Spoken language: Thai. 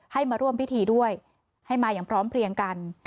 ให้มาร่วมพิธีด้วยให้มาอย่างพร้อมเพลียงกัน